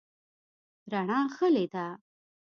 رڼا غلې ده .